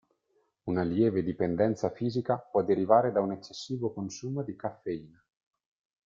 Una lieve dipendenza fisica può derivare da un eccessivo consumo di caffeina.